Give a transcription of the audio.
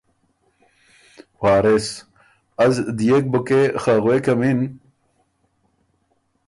وارث ـــ از دیېک بُکې خه غوېکمِن